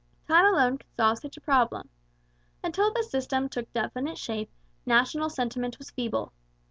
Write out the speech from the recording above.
Time alone could solve such a problem. Until the system took definite shape national sentiment was feeble.